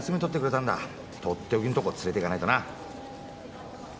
取って置きんとこ連れて行かないとな。